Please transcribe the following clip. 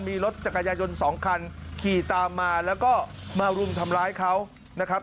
มีรถจักรยายนสองคันขี่ตามมาแล้วก็มารุมทำร้ายเขานะครับ